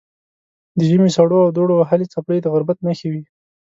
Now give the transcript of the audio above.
د ژمي سړو او دوړو وهلې څپلۍ د غربت نښې وې.